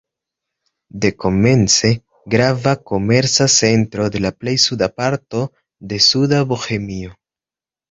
Dekomence grava komerca centro de la plej suda parto de Suda Bohemio.